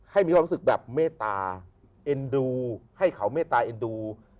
มีความรู้สึกแบบเมตตาเอ็นดูให้เขาเมตตาเอ็นดู